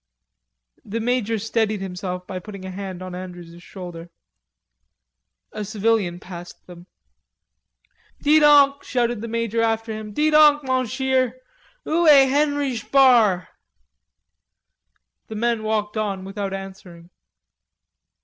The major steadied himself by putting a hand on Andrews' shoulder. A civilian passed them. "Dee donc," shouted the major after him, "Dee donc, Monshier, ou ay Henry'sh Bar?" The man walked on without answering.